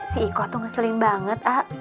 si iko tuh ngeselin banget ah